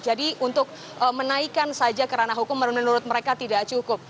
jadi untuk menaikan saja kerana hukum menurut mereka tidak cukup